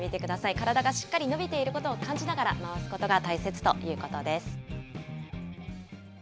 体がしっかり伸びていることを感じながら回すことが大切ということです。